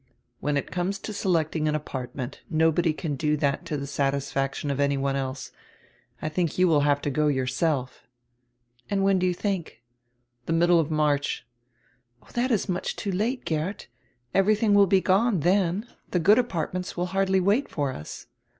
"When it comes to selecting an apartment, nobody can do that to tire satisfaction of any one else. I think you will have to go yourself." "And when do you think?" "The nriddle of March." "Oh, that is much too late, Geert; everything will be gone then. The good apartments will hardly wait for us."